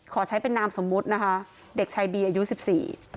ขอใช้เป็นนามสมมุตินะคะเด็กชายบีอายุสิบสี่